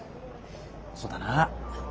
そうだな。